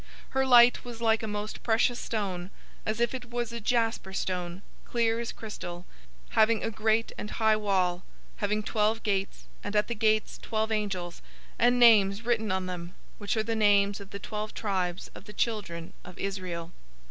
Her light was like a most precious stone, as if it was a jasper stone, clear as crystal; 021:012 having a great and high wall; having twelve gates, and at the gates twelve angels; and names written on them, which are the names of the twelve tribes of the children of Israel.